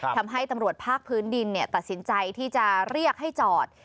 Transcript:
ทำให้ตำรวจภาคพื้นดินตัดสินใจที่จะเรียกให้จอด